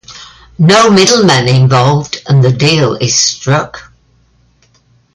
No middlemen involved and the deal is struck.